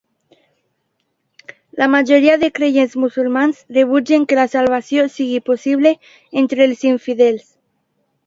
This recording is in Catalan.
La majoria de creients musulmans rebutgen que la salvació sigui possible entre els infidels.